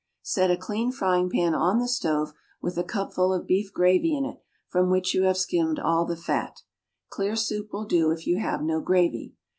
Set a clean frying pan on the stove with a cupful of beef gravy in it from which you have skimmed all the fat. Clear soup will do if you have no gravy.